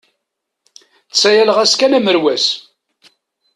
Ttsayaleɣ-as kan amerwas.